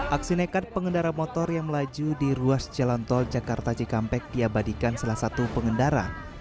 aksi nekat pengendara motor yang melaju di ruas jalan tol jakarta cikampek diabadikan salah satu pengendara